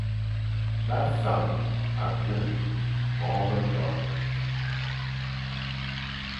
Bâ fwan akung bongo be toʼo.